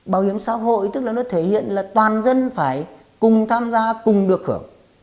bảo hiểm xã hội tức là nó thể hiện là toàn dân phải cùng tham gia cùng được hưởng